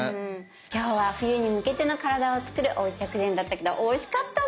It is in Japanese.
今日は冬に向けての体を作るおうち薬膳だったけどおいしかったね。